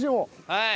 はい。